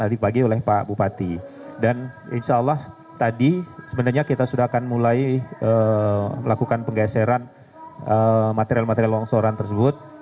dan insya allah tadi sebenarnya kita sudah akan mulai melakukan penggeseran material material longsoran tersebut